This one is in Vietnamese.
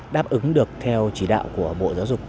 đáp ứng được theo chỉ đạo của bộ giáo dục trải nghiệm